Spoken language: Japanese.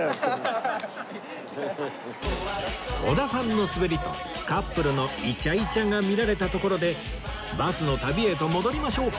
織田さんの滑りとカップルのイチャイチャが見られたところでバスの旅へと戻りましょう